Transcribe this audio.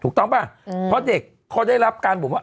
ถูกต้องป่ะเพราะเด็กเขาได้รับการบอกว่า